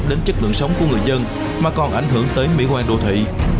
đến chất lượng sống của người dân mà còn ảnh hưởng tới mỹ quan đô thị